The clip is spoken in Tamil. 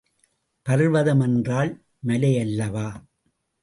பர்வதம் என்றால் மலையல்லவா!